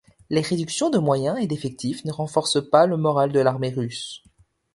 Les réductions de moyens et d'effectifs ne renforcent pas le moral de l'Armée russe.